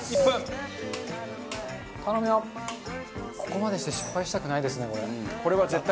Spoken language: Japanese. ここまでして失敗したくないですねこれ。